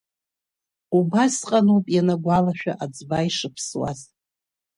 Убасҟан ауп ианагәалашәа аӡба ишыԥсуаз.